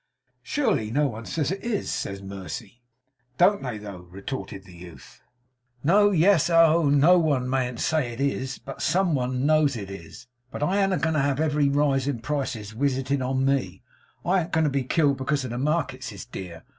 'Surely no one says it is,' said Mercy. 'Don't they though?' retorted the youth. 'No. Yes. Ah! oh! No one mayn't say it is! but some one knows it is. But I an't a going to have every rise in prices wisited on me. I an't a going to be killed because the markets is dear.